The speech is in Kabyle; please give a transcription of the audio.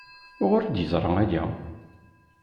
Wuɣur ay d-yeẓra aya?